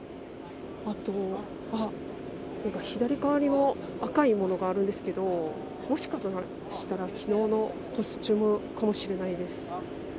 あと、左側にも赤い物があるんですけどもしかしたら昨日のコスチュームかもしれないです。